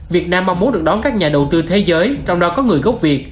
việt nam mong muốn được đón các nhà đầu tư thế giới trong đó có người gốc việt